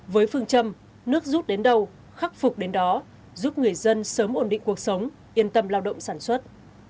với phương châm nước rút đến đâu khắc phục đến đó giúp người dân sớm ổn định cuộc sống yên tâm lao động sản xuất